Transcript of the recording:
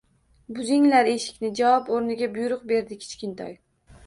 Buzinglar eshikni, javob o`rniga buyruq berdi Kichkintoy